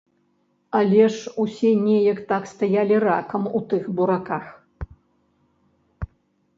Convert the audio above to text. Але ж усе неяк так стаялі ракам у тых бураках.